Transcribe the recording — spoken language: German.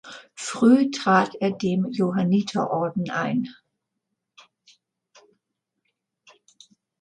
Früh trat er dem Johanniterorden ein.